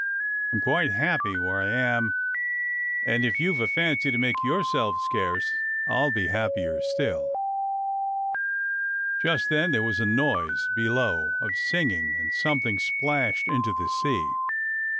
I'm quite happy where I am, and if you've a fancy to make yourself scarce, I'll be happier still." Just then there was a noise below of singing, and 292 DOCTOR SYN something splashed into the sea.